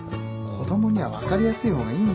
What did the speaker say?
子供には分かりやすい方がいいんだよ。